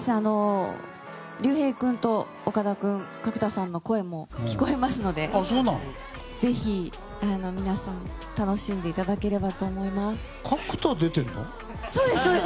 龍平君と岡田君角田さんの声も聞こえますのでぜひ皆さん、楽しんでいただければと思います。